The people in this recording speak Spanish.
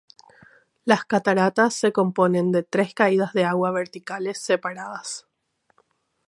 Las cataratas se componen de tres caídas de agua verticales separadas.